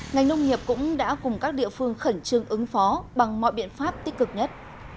ngành nông nghiệp cũng đã cùng các địa phương khẩn trương ứng phó bằng mọi biện pháp tích cực nhất